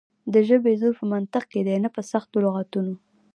د ژبې زور په منطق کې دی نه په سختو لغتونو.